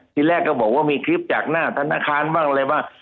ทีแรกก็บอกว่ามีคลิปจากหน้าธนาคารบ้างอะไรบ้าง